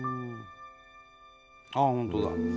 ああ本当だ。